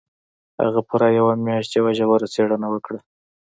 هغه پوره یوه میاشت یوه ژوره څېړنه وکړه